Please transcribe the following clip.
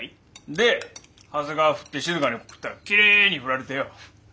で長谷川ふって静に告ったらきれいにふられてよ。